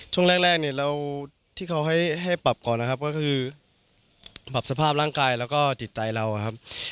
ช่วงแรกที่เขาให้ปรับก่อนก็คือปรับสภาพร่างกายแล้วก็จิตใจเราครับ